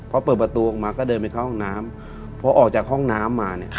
เราก็ออกมาเข้าห้องน้ำ